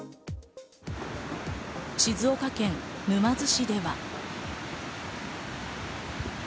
静岡県沼津市では。